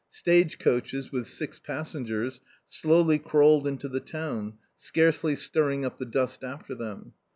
Stage coaches with six passengers slowly crawled into the town, scarcely stirring up the dust after them.